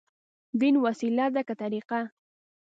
دين وسيله ده، که طريقه؟